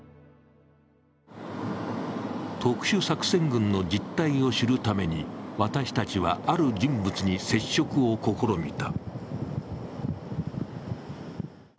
特殊作戦群の実態を知るために私たちはある人物に接触を試みた。